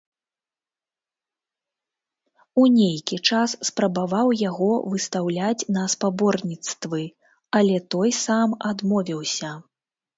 У нейкі час спрабаваў яго выстаўляць на спаборніцтвы, але той сам адмовіўся.